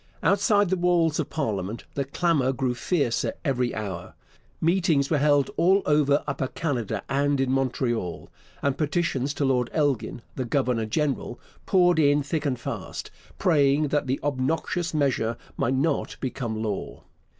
Outside the walls of parliament the clamour grew fiercer every hour. Meetings were held all over Upper Canada and in Montreal, and petitions to Lord Elgin, the governor general, poured in thick and fast, praying that the obnoxious measure might not become law.